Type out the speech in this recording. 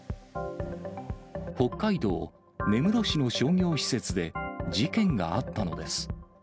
北海道根室市の商業施設で事件があったのです。